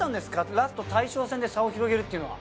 ラスト大将戦で差を広げるっていうのは。